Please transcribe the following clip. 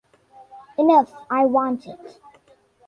Enough!... I want it!...